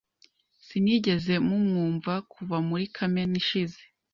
Sinigeze mumwumva kuva muri Kamena ishize.